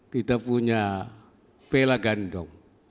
kita punya pela gandong